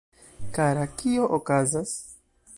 Kara, kio okazas?